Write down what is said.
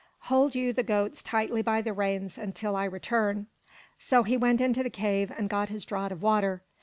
Hold you the goats tightly by the reins until I return." So he went into the cave and got his draught of water.